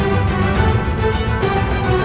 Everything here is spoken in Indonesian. hidup raden walang susah